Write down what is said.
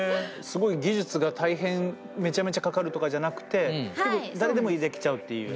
すごい技術が大変めちゃめちゃかかるとかじゃなくて誰でもできちゃうっていう。